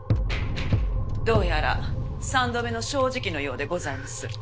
どうやら三度目の正直のようでございます。